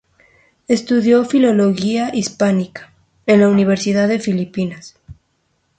Estudió Filología Hispánica en la Universidad de Filipinas.